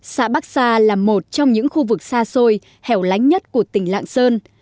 xã bắc sa là một trong những khu vực xa xôi hẻo lánh nhất của tỉnh lạng sơn